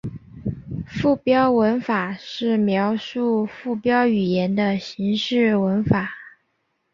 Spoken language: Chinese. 附标文法是描述附标语言的形式文法。